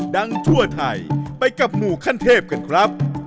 ทั่วไทยไปกับหมู่ขั้นเทพกันครับ